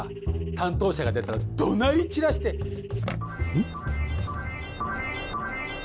担当者が出たらどなり散らしてんっ？